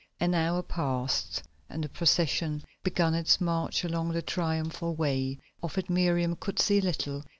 An hour passed and the procession began its march along the Triumphal Way. Of it Miriam could see little.